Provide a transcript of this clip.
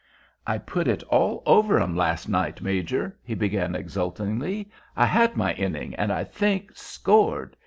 "I put it all over 'em last night, Major," he began exultantly. "I had my inning, and, I think, scored.